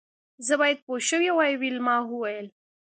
زه باید پوه شوې وای ویلما وویل